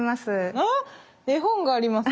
あっ絵本があります。